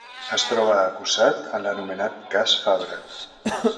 Es troba acusat en l'anomenat cas Fabra.